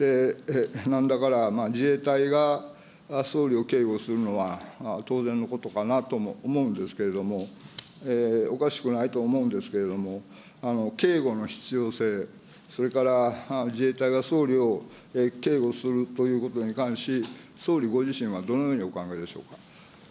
だから、自衛隊が総理を警護するのは当然のことかなとも思うんですけれども、おかしくないと思うんですけれども、警護の必要性、それから自衛隊が総理を警護するということに関し、総理ご自身はどのようにお考えでしょうか。